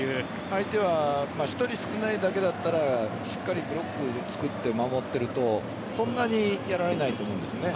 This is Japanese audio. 相手は１人少ないだけだったらしっかりブロック作って守っているとそんなにやられないと思うんです。